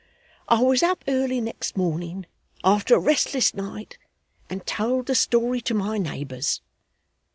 'I was up early next morning after a restless night, and told the story to my neighbours.